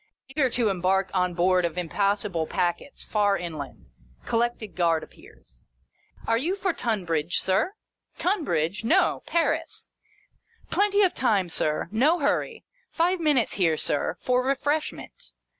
eager to embark on board of im possible packets, far inland. Collected Guard appears. " Are you for Tunbridge, Sir ]" "Tunbridge? No. Paris." " Plenty of time, Sir. No hurry. Five minutes here, Sir, for refreshment."